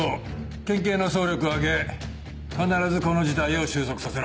県警の総力を挙げ必ずこの事態を収束させろ。